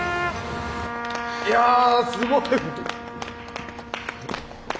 いやすごい。